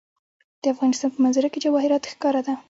د افغانستان په منظره کې جواهرات ښکاره ده.